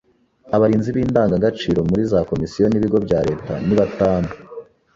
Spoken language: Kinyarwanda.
Abarinzi b’indangagaciro muri za Komisiyo n’ibigo bya Leta ni batanu